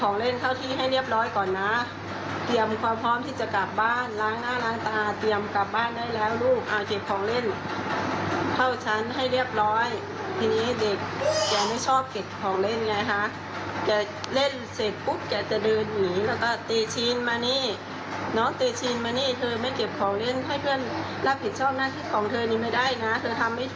เล่นเข้าที่ให้เรียบร้อยก่อนนะเตรียมความพร้อมที่จะกลับบ้านล้างหน้าล้างตาเตรียมกลับบ้านได้แล้วลูกอ่ะเก็บของเล่นเข้าชั้นให้เรียบร้อยทีนี้เด็กแกไม่ชอบเก็บของเล่นไงคะแกเล่นเสร็จปุ๊บแกจะเดินหนีแล้วก็ตีชีนมานี่น้องตีชีนมานี่เธอไม่เก็บของเล่นให้เพื่อนรับผิดชอบหน้าที่ของเธอนี่ไม่ได้นะเธอทำไม่